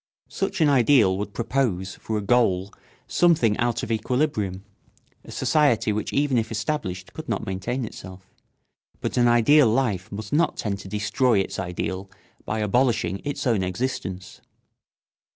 Such an ideal would propose for a goal something out of equilibrium, a society which even if established could not maintain itself; but an ideal life must not tend to destroy its ideal by abolishing its own existence.